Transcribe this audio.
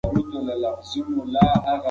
د خلکو ترمنځ اړیکه باید قوي وي.